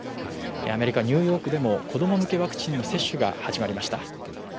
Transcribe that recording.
アメリカ・ニューヨークでも子供向けワクチンの接種が始まりました。